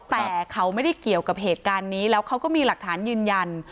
แต่เขาไม่ได้เกี่ยวกับเหตุการณ์นี้แล้วเขาก็มีหลักฐานยืนยัน